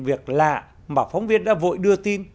việc lạ mà phóng viên đã vội đưa tin